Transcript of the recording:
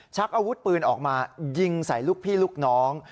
ชักอาวุธปืนออกมายิงใส่ลูกพี่ลูกน้อง